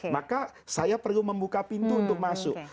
maka saya perlu membuka pintu untuk masuk